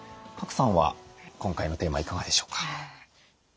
賀来さんは今回のテーマいかがでしょうか？